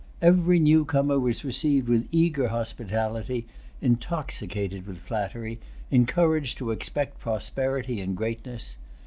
Every newcomer was received with eager hospitality, intoxicated with flattery, encouraged to expect prosperity and greatness.